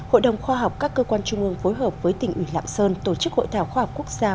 hội đồng khoa học các cơ quan trung ương phối hợp với tỉnh ủy lạng sơn tổ chức hội thảo khoa học quốc gia